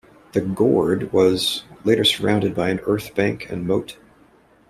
The "gord" was later surrounded by an earth bank and moat.